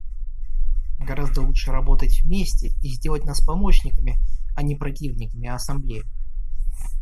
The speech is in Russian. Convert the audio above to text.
Гораздо лучше работать вместе и сделать нас помощниками, а не противниками Ассамблеи.